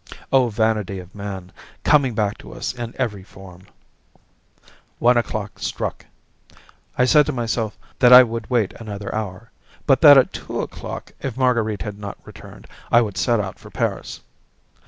O vanity of man, coming back to us in every form! One o'clock struck. I said to myself that I would wait another hour, but that at two o'clock, if Marguerite had not returned, I would set out for Paris.